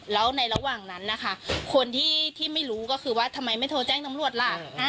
แล้วในระหว่างนั้นนะคะคนที่ไม่รู้ก็คือว่าทำไมไม่โทรแจ้งตำรวจล่ะ